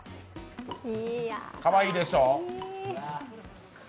かわいいでしょ。